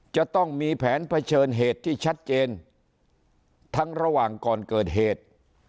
จะต้องมีแผนเผชิญเหตุที่ชัดเจนทั้งระหว่างก่อนเกิดเหตุ